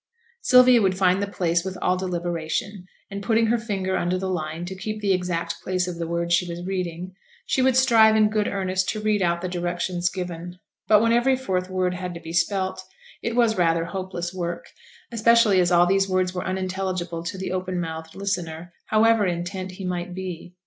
Sylvia would find the place with all deliberation: and putting her finger under the line to keep the exact place of the word she was reading, she would strive in good earnest to read out the directions given; but when every fourth word had to be spelt, it was rather hopeless work, especially as all these words were unintelligible to the open mouthed listener, however intent he might be.